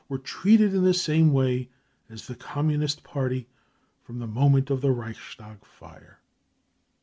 were treated in the same way as the Communist Party from the moment of the Reichstag fire.